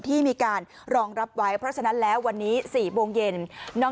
ที่มีการรองรับไว้เพราะฉะนั้นแล้ววันนี้๔โมงเย็น